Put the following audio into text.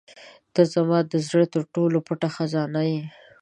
• ته زما د زړه تر ټولو پټه خزانه یې.